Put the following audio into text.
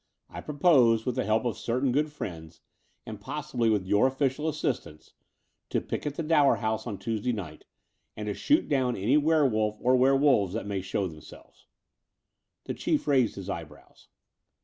I propose, with the help of cer tain good friends, and possibly with yotir ofiSdal as sistance, to picket the Dower House on Tuesday night and to shoot down any werewolf or were wolves that may show themselves." The Chief raised his eyebrows.